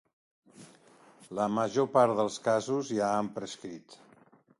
La major part dels casos ja han prescrit.